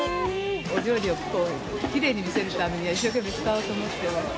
お料理をきれいに見せるために、一生懸命使おうと思ってます。